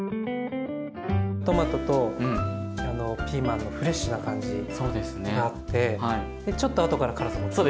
トマトとピーマンのフレッシュな感じがあってでちょっと後から辛さも来て。